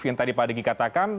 yang tadi pak diki katakan